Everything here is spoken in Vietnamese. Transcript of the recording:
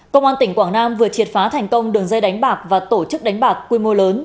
công an tỉnh quảng nam vừa triệt phá thành công đường dây đánh bạc và tổ chức đánh bạc quy mô lớn